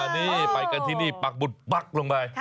นี่ไปกันที่นี่ปักบุ๊ดปั๊กมา